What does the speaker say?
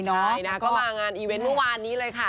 ใช่นะคะก็มางานอีเวนต์เมื่อวานนี้เลยค่ะ